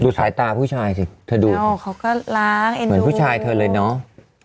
สายตาผู้ชายสิเธอดูเขาก็ล้างเหมือนผู้ชายเธอเลยเนาะ